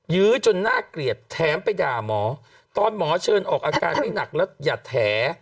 ยื้อจนน่าเกลียดแถมไปด่าหมอตอนหมอเชิญออกอาการไม่หนักแล้วอย่าแถ